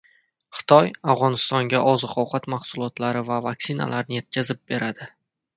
Xitoy Afg‘onistonga oziq-ovqat mahsulotlari va vaksinalarni yetkazib beradi